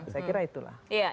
saya kira itulah